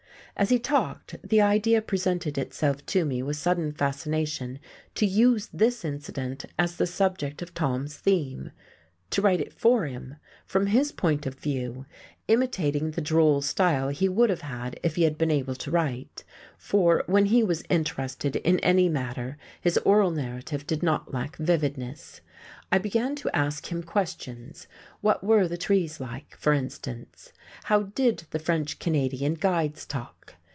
As he talked, the idea presented itself to me with sudden fascination to use this incident as the subject of Tom's theme; to write it for him, from his point of view, imitating the droll style he would have had if he had been able to write; for, when he was interested in any matter, his oral narrative did not lack vividness. I began to ask him questions: what were the trees like, for instance? How did the French Canadian guides talk?